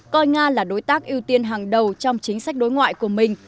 coi nga là đối tác ưu tiên hàng đầu trong chính sách đối ngoại của mình